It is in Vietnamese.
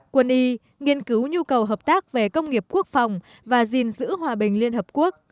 quân y nghiên cứu nhu cầu hợp tác về công nghiệp quốc phòng và gìn giữ hòa bình liên hợp quốc